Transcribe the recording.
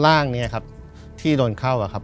ร่างที่โดนเข้า